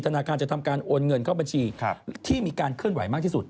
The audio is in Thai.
ธนาคารจะทำการโอนเงินเข้าบัญชีที่มีการเคลื่อนไหวมากที่สุด